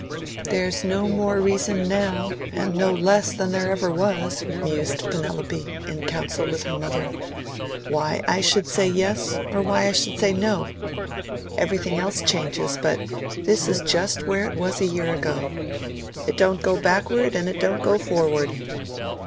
"There's no more reason now and no less than ever there was," mused Penelope, in counsel with her mother, "why I should say Yes, or why I should say No. Everything else changes, but this is just where it was a year ago. It don't go backward, and it don't go forward.